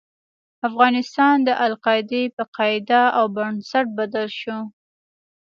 افغانستان د القاعدې په قاعده او بنسټ بدل شو.